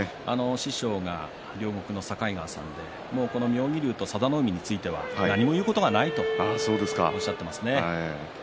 師匠が両国の境川さんでこの妙義龍と佐田の海については何も言うことがないとおっしゃっていますね。